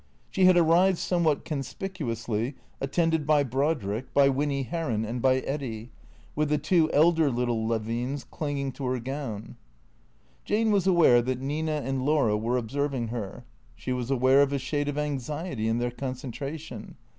She had arrived somewhat conspicuously, attended by Brodrick, by Winny Heron and by Eddy, with the two elder little Levines clinging to her gown. Jane was aware that Nina and Laura were observing her ; she was aware of a shade of anxiety in their concentration.